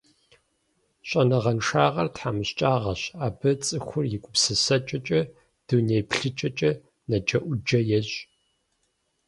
Щӏэныгъэншагъэр – тхьэмыщкӀагъэщ, абы цӀыхур и гупсысэкӀэкӀэ, дунейеплъыкӀэкӀэ нэджэӀуджэ ещӀ.